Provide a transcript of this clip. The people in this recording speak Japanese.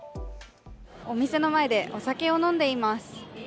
お店の前でお酒を飲んでいます。